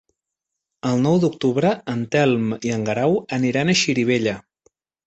El nou d'octubre en Telm i en Guerau aniran a Xirivella.